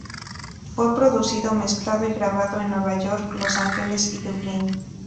Fue producido, mezclado y grabado en Nueva York, Los Ángeles y Dublín.